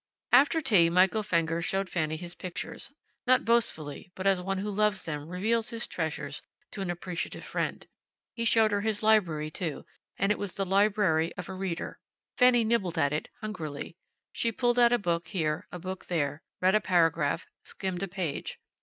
After tea Michael Fenger showed Fanny his pictures, not boastfully, but as one who loves them reveals his treasures to an appreciative friend. He showed her his library, too, and it was the library of a reader. Fanny nibbled at it, hungrily. She pulled out a book here, a book there, read a paragraph, skimmed a page.